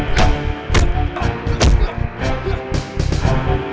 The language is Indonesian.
keh keh keh keh keh